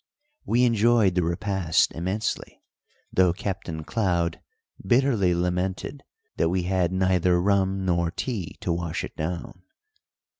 We enjoyed the repast immensely, though Captain Cloud bitterly lamented that we had neither rum nor tea to wash it down.